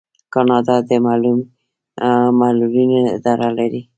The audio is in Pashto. کاناډا د معلولینو اداره لري.